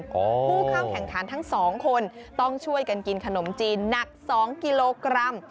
ผู้เข้าแข่งขันทั้งสองคนต้องช่วยกันกินขนมจีนหนัก๒กิโลกรัม